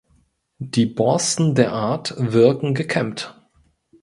Die Borsten der Art wirken gekämmt.